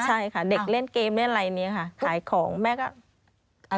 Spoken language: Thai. ใช่ค่ะเด็กเล่นเกมอะไรนี้ค่ะขายของแม่ก็